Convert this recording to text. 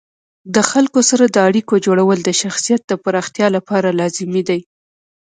د خلکو سره د اړیکو جوړول د شخصیت د پراختیا لپاره لازمي دي.